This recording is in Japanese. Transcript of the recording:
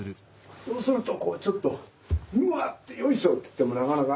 そうするとこうちょっとうわってよいしょってやってもなかなか。